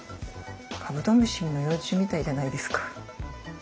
カブトムシの幼虫みたいじゃないですか？